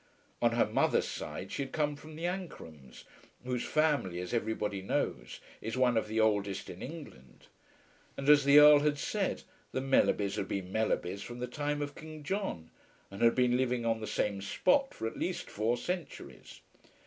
On her mother's side she had come from the Ancrums, whose family, as everybody knows, is one of the oldest in England; and, as the Earl had said, the Mellerbys had been Mellerbys from the time of King John, and had been living on the same spot for at least four centuries.